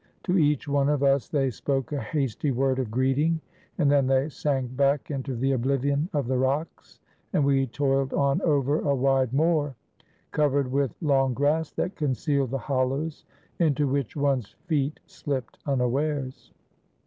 To each one of us they spoke a hasty word of greeting, and then they sank back into the oblivion of the rocks, and we toiled on over a wide moor, covered with long grass that concealed the hollows, into which one's feet slipped unawares.